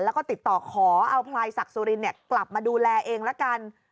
แล้วก็ติดต่อขอเอาพลายศักดิ์สุรินกลับมาดูแลเองละกัน